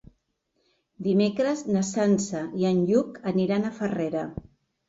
Dimecres na Sança i en Lluc aniran a Farrera.